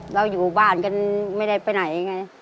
เราอยู่บ้านกันไม่ได้ไปไหนไง